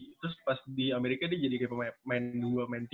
terus pas di amerika dia jadi kayak main dua main tiga tuh